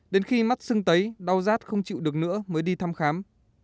đến khi mắt sưng tấy đau rát không chịu được nữa mới đi thăm khám